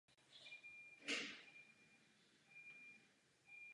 Pramení nedaleko Tczewi a v Gdaňsku ústí do ramene Visly.